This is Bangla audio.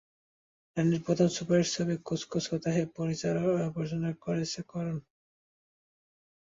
রানীর প্রথম সুপারহিট ছবি কুছ কুছ হোতা হ্যায় পরিচালনা করেছেন করন।